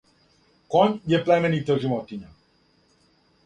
Коњ је племенита животиња.